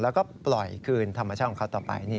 แล้วก็ปล่อยคืนธรรมชาติของเขาต่อไป